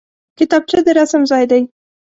کتابچه د رسم ځای دی